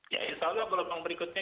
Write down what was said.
ya insya allah gelombang berikutnya